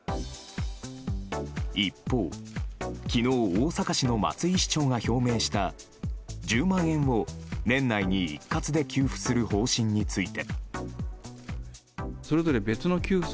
一方、昨日大阪市の松井市長が表明した１０万円を年内に一括で給付する方針について。